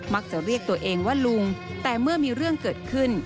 จะเรียกตัวเองว่าลุงแต่เมื่อมีเรื่องเกิดขึ้น